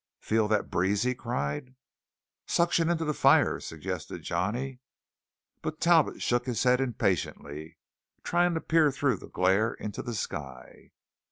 "Feel that breeze?" he cried. "Suction into the fire," suggested Johnny. But Talbot shook his head impatiently, trying to peer through the glare into the sky.